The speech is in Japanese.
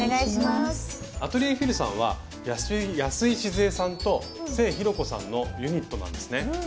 アトリエＦｉｌさんは安井しづえさんと清弘子さんのユニットなんですね。